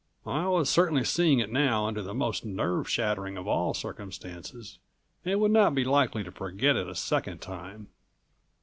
I was certainly seeing it now under the most nerve shattering of all circumstances and would not be likely to forget it a second time.